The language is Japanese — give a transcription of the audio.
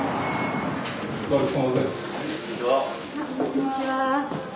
こんにちは。